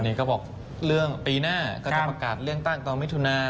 นี่ก็บอกเรื่องปีหน้าก็จะประกาศเลือกตั้งตอนมิถุนา